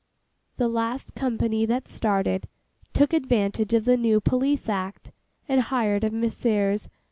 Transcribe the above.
The last company that started, took advantage of the New Police Act, and hired of Messrs.